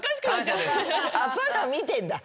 そういうのは見てんだ。